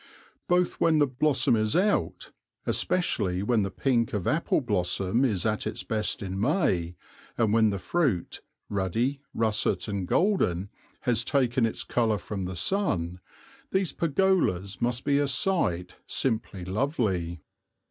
Both when the blossom is out, especially when the pink of apple blossom is at its best in May, and when the fruit, ruddy, russet and golden, has taken its colour from the sun, these pergolas must be a sight simply lovely.